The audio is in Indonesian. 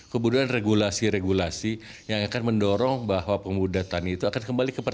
kemudian regulasi regulasi yang akan mendorong bahwa pemuda tani itu akan kembali kepada